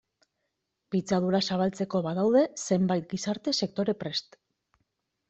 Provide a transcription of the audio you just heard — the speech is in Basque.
Pitzadura zabaltzeko badaude zenbait gizarte sektore prest.